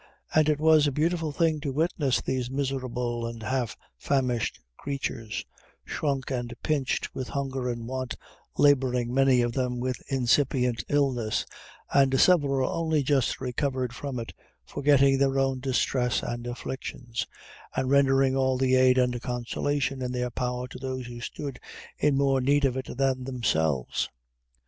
And it was a beautiful thing to witness these miserable and half famished creatures, shrunk and pinched with hunger and want, laboring, many of them, with incipient illness, and several only just recovered from it, forgetting their own distress and afflictions, and rendering all the aid and consolation in their power to those who stood in more need of it than themselves.